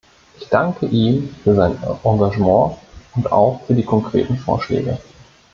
Ich danke ihm für sein Engagement und auch für die konkreten Vorschläge.